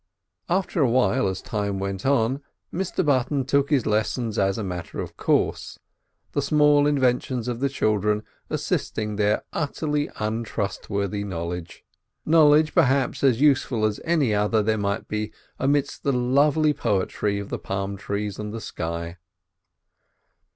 After a while, as time went on, Mr Button took to his lessons as a matter of course, the small inventions of the children assisting their utterly untrustworthy knowledge. Knowledge, perhaps, as useful as any other there amidst the lovely poetry of the palm trees and the sky.